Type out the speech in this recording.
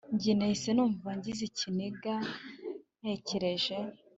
Njye nahise numva ngize ikiniga ntekereje